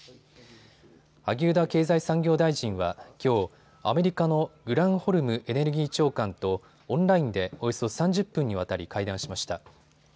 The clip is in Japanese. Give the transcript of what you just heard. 萩生田経済産業大臣はきょう、アメリカのグランホルムエネルギー長官とオンラインでおよそ３０分にわたり会談しました。